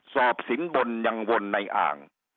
สินบนยังวนในอ่าง